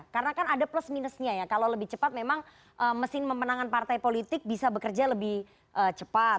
karena kan ada plus minusnya ya kalau lebih cepat memang mesin memenangan partai politik bisa bekerja lebih cepat